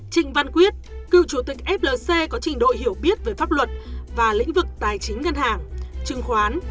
trịnh văn quyết cựu chủ tịch flc có trình độ hiểu biết về pháp luật và lĩnh vực tài chính ngân hàng chứng khoán